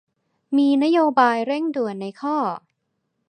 มีนโยบายเร่งด่วนในข้อ